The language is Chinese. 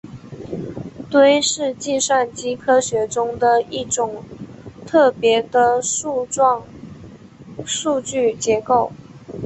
堆是计算机科学中的一种特别的树状数据结构。